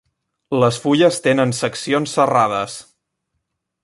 Les fulles tenen seccions serrades.